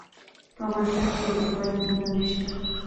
په افغانستان کې د وادي منابع شته.